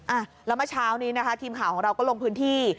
อ่ะแล้วเมื่อเช้านี้นะคะทีมข่าวของเราก็ลงพื้นที่